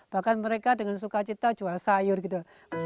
bahkan mereka dengan sukacita jual sayur gitu